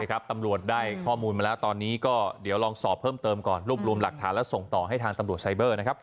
ตำรวจได้ข้อมูลมาแล้วตอนนี้ก็เดี๋ยวลองสอบเพิ่มเติมก่อนรูปรวมหลักฐานแล้วส่งต่อให้ทางตำรวจไซเบอร์